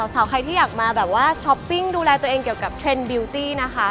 สาวใครที่อยากมาแบบว่าช้อปปิ้งดูแลตัวเองเกี่ยวกับเทรนด์บิลตี้นะคะ